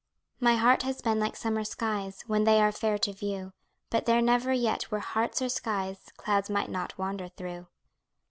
My heart has been like summer skies, When they are fair to view; But there never yet were hearts or skies Clouds might not wander through.